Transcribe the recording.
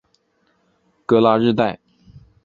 戈拉日代。